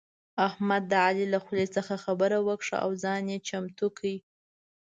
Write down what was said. احمد د علي له خولې څخه خبره وکښه او ځای يې چمتو کړ.